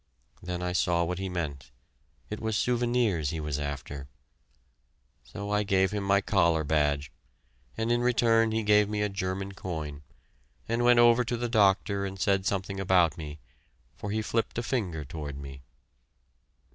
Then I saw what he meant; it was souvenirs he was after. So I gave him my collar badge, and in return he gave me a German coin, and went over to the doctor and said something about me, for he flipped his finger toward me.